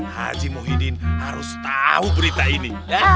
haji muhyiddin harus tahu berita ini